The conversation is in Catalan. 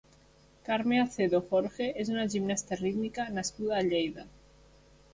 Carme Acedo Jorge és una gimnasta rítmica nascuda a Lleida.